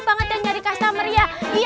banget yang nyari customer ya